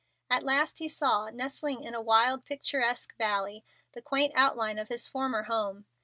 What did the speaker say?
At last he saw, nestling in a wild, picturesque valley, the quaint outline of his former home.